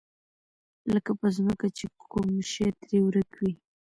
لکه په ځمکه چې کوم شی ترې ورک وي.